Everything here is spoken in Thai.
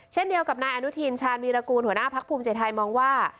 เช่นเดียวกับนายอนุทินชาญวีรกูลหัวหน้าพักภูมิใจไทยมองว่า